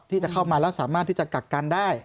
ที่จะเข้ามาแล้วสามารถที่จะกักกันได้